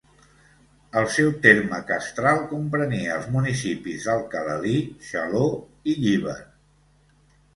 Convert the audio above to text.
El seu terme castral comprenia els municipis d'Alcalalí, Xaló i Llíber.